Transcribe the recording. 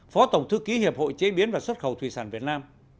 phó tổng thư ký hiệp hội chế biến và xuất khẩu thủy sản việt nam